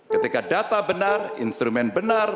ketika data benar instrumen benar